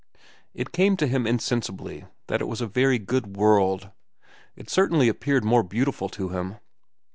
It came to him insensibly that it was a very good world. It certainly appeared more beautiful to him.